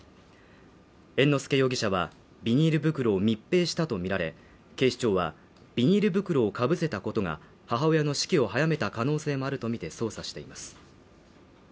猿之助容疑者は、ビニール袋を密閉したとみられ、警視庁は、ビニール袋をかぶせたことが母親の死期を早めた可能性もあるとみて捜査しています。